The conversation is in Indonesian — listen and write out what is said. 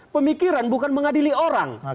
pemikiran bukan mengadili orang